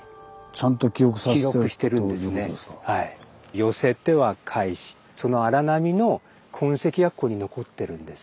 寄せては返しその荒波の痕跡がここに残ってるんです。